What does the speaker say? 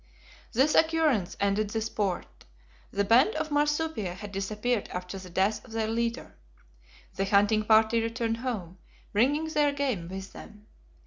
This occurrence ended the sport. The band of marsupia had disappeared after the death of their leader. The hunting party returned home, bringing their game with them.